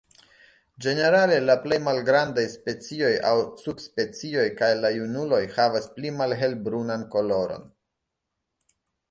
Ĝenerale la plej malgrandaj specioj aŭ subspecioj kaj la junuloj havas pli malhelbrunan koloron.